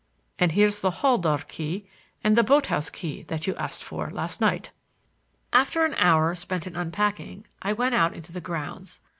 And here's the hall door key and the boat house key that you asked for last night." After an hour spent in unpacking I went out into the grounds.